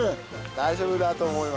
大丈夫だと思います。